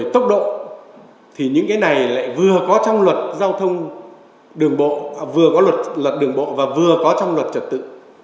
trong luật giao thông đường bộ vừa có luật lật đường bộ và vừa có trong luật trật tự